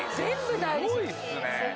すごいっすね。